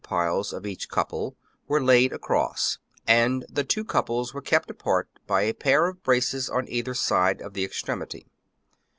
piles of each couple, were laid across ; and the two couples were kept apart by a pair of braces on either side at the extremity.